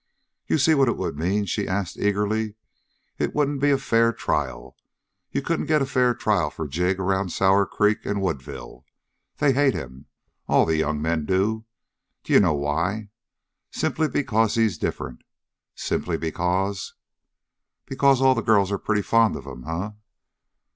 "You see what it would mean?" she asked eagerly. "It wouldn't be a fair trial. You couldn't get a fair jury for Jig around Sour Creek and Woodville. They hate him all the young men do. D'you know why? Simply because he's different! Simply because " "Because all the girls are pretty fond of him, eh?"